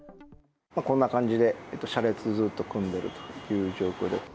こんな感じで車列、ずっと組んでるというような状況で。